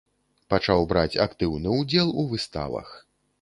Пачаў браць актыўны ўдзел у выставах.